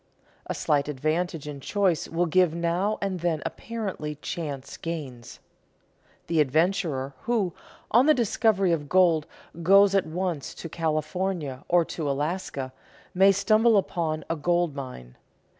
A slight advantage in choice will give now and then apparently chance gains. The adventurer who, on the discovery of gold, goes at once to California or to Alaska, may stumble upon a gold mine.